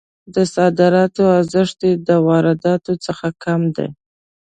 د صادراتو ارزښت یې د وارداتو څخه کم دی.